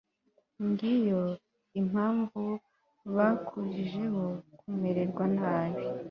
ngiyo impamvu bakurijeho kumererwa nabi